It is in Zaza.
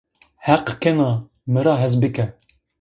Heq kena! mı ra hez bıke.